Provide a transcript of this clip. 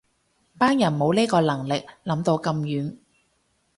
班人冇呢個能力諗到咁遠